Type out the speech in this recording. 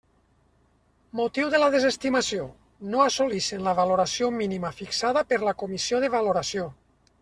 Motiu de la desestimació: no assolixen la valoració mínima fixada per la comissió de valoració.